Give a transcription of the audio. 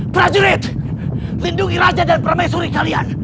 prajurit lindungi raja dan permaisuri kalian